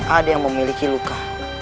ada yang memiliki luka